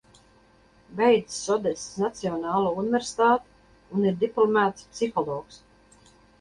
Beidzis Odesas Nacionālo universitāti un ir diplomēts psihologs.